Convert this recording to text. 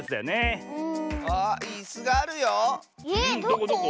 どこどこ？